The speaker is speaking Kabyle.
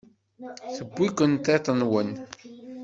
Tewwi-ken tiṭ-nwen.